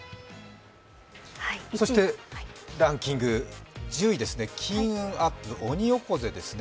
ランキング１０位、金運アップ、オニオコゼですね。